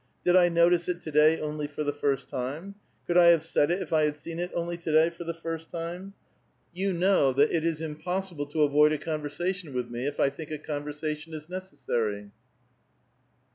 Did I notice it to day only for the first time? Could I have said it if I had seen it only to day for the first time ? You know that it is 804 A VITAL QUESTIOJf. tinpossible to avoid a conversation witli me, if I think a con versation is neci'ssarv.